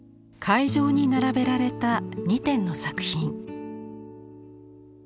会場に並べられた２点の作品。